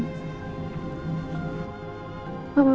mama menyesal sekali